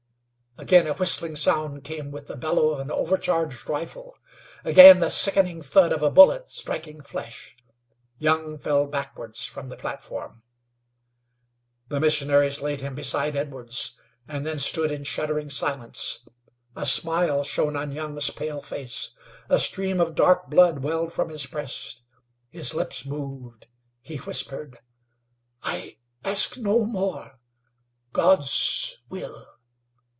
Again a whistling sound came with the bellow of an overcharged rifle; again the sickening thud of a bullet striking flesh. Young fell backwards from the platform. The missionaries laid him beside Edwards, and then stood in shuddering silence. A smile shone on Young's pale face; a stream of dark blood welled from his breast. His lips moved; he whispered: "I ask no more God's will."